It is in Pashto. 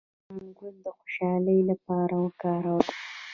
د زعفران ګل د خوشحالۍ لپاره وکاروئ